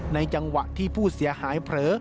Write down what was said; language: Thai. จังหวะที่ผู้เสียหายเผลอ